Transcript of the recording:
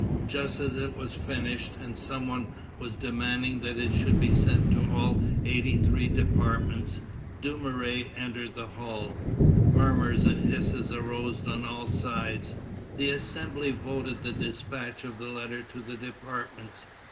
Just as it was finished, and some one was demanding that it should be sent to all the eighty three departments, Dumouriez entered the hall. Murmurs and hisses arose on all sides. The Assembly voted the despatch of the letter to the departments.